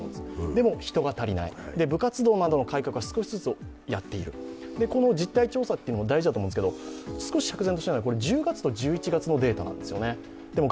でも人が足りない、部活動などの改革は少しずつやっている、この実態調査も大事だと思うんですが、釈然としないのは少し釈然としないのは１０月、１１月のデータなんですよね。